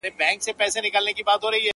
په سمه لاره کي پل مه ورانوی!!